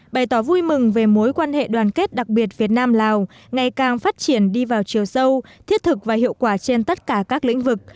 bày tỏ vui mừng về mối quan hệ đoàn kết đặc biệt việt nam lào ngày càng phát triển đi vào chiều sâu thiết thực và hiệu quả trên tất cả các lĩnh vực